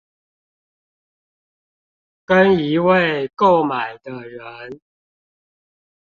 跟一位購買的人